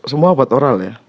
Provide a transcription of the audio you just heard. semua obat oral ya